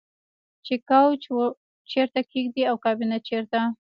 چې کوچ چیرته کیږدئ او کابینه چیرته